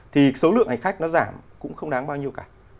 thì số lượng hành khách nó giảm cũng không đáng bao nhiêu cả